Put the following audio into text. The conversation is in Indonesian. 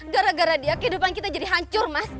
gara gara dia kehidupan kita jadi hancur mas